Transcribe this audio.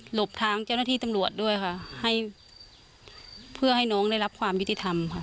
บทางเจ้าหน้าที่ตำรวจด้วยค่ะให้เพื่อให้น้องได้รับความยุติธรรมค่ะ